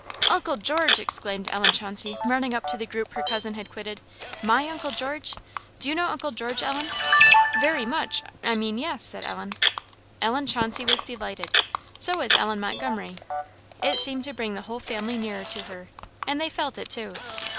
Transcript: "Uncle George!" exclaimed Ellen Chauncey, running up to the group her cousin had quitted; "my uncle George? Do you know uncle George, Ellen?" "Very much I mean yes," said Ellen. Ellen Chauncey was delighted. So was Ellen Montgomery. It seemed to bring the whole family nearer to her, and they felt it, too.